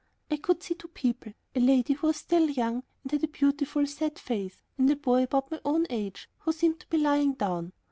I could see two people, a lady, who was still young, with a beautiful sad face, and a boy about my own age, who seemed to be lying down.